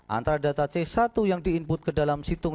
antara data c satu yang di input ke dalam situng